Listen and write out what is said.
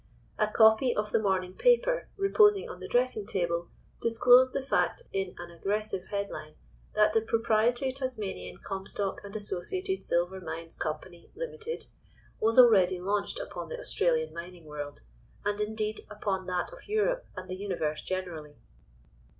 A copy of the morning paper reposing on the dressing table disclosed the fact in an aggressive headline that the Proprietary Tasmanian Comstock and Associated Silver Mines Company (Limited) was already launched upon the Australian mining world, and indeed upon that of Europe, and the Universe generally.